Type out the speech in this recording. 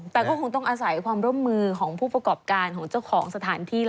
แต่ก็คงต้องอาศัยความร่วมมือของผู้ประกอบการของเจ้าของสถานที่